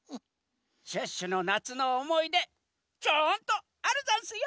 シュッシュのなつのおもいでちゃんとあるざんすよ！